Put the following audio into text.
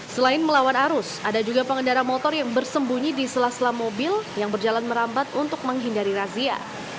selain melawan arus ada juga pengendara motor yang bersembunyi di sela sela mobil yang berjalan merambat untuk menghindari razia